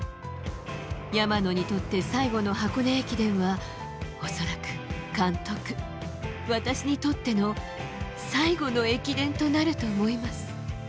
山野にとって最後の箱根駅伝は、恐らく、監督、私にとっての最後の駅伝となると思います。